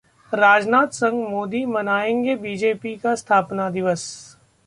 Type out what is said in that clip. राजनाथ संग मोदी मनाएंगे बीजेपी का स्थापना दिवस